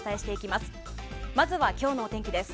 まずは、今日のお天気です。